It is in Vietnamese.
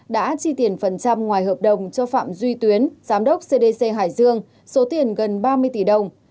đã chi tiền phần trăm ngoài hợp đồng cho phạm duy tuyến giám đốc cdc hải dương số tiền gần ba mươi tỷ đồng